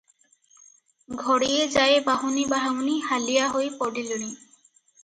ଘଡ଼ିଏ ଯାଏ ବାହୁନି ବାହୁନି ହାଲିଆ ହୋଇ ପଡିଲେଣି ।